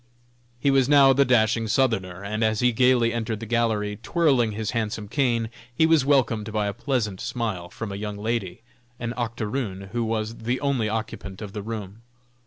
He was now the dashing Southerner, and as he gaily entered the gallery, twirling his handsome cane, he was welcomed by a pleasant smile from a young lady, an octoroon, who was the only occupant of the room.